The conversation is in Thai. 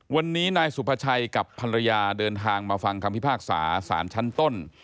วันนี้นายสุภาชัยกับภรรยาเดินทางมาฟังคำพิพากษาสารชั้นต้น